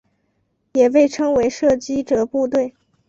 也被称为射击者部队。